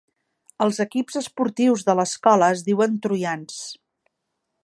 Els equips esportius de l'escola es diuen Troians.